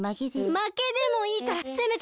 まけでもいいからせめてたってて。